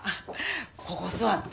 ここ座って。